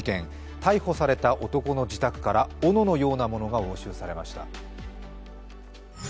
逮捕された男の自宅からおののようなものが押収されました。